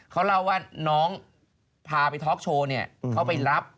เขาเล่าว่าน้องพาไปทอคโชว์เขาไปรับ